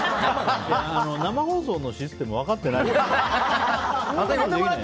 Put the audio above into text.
生放送のシステム分かってない？